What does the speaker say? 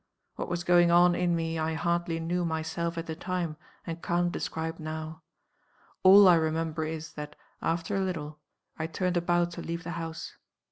What was going on in me I hardly knew myself at the time, and can't describe now. All I remember is, that, after a little, I turned about to leave the house.